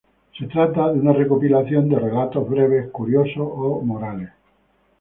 Se trata de una recopilación de relatos breves, curiosos o morales.